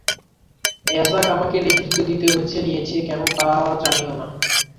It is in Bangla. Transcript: অ্যাজাক আমাকে নেতৃত্ব দিতে বেছে নিয়েছে কেন তা জানিও না।